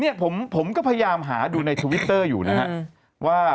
เนี่ยผมก็พยายามหาดูในทวิตเตอร์อยู่นะฮะว่า